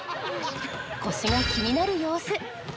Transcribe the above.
腰が気になる様子。